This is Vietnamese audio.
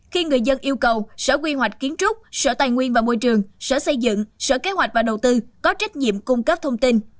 khi người dân yêu cầu sở quy hoạch kiến trúc sở tài nguyên và môi trường sở xây dựng sở kế hoạch và đầu tư có trách nhiệm cung cấp thông tin